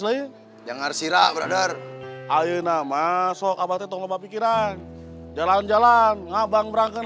lain jangan sirap brader ayo na masuk abad itu loba pikiran jalan jalan ngabang berangkat